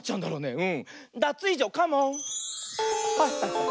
うん。